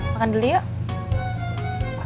makan dulu yuk